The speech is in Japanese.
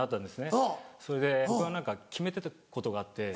それで僕は何か決めてたことがあって。